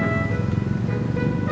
udah berangkat tau nggak sih